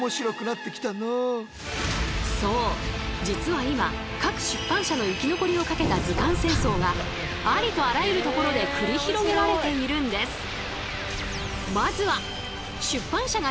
実は今各出版社の生き残りをかけた図鑑戦争がありとあらゆるところで繰り広げられているんです。